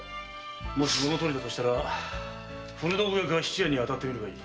物取りだとしたら古道具屋か質屋に当たってみるがいい。